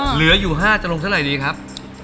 เหลืออยู่๕จะลงเท่าไหร่ดีครับ